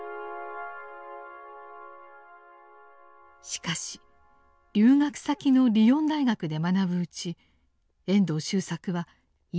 しかし留学先のリヨン大学で学ぶうち遠藤周作は違和感を覚え始めます。